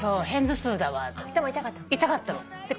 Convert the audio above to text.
頭痛かったのね。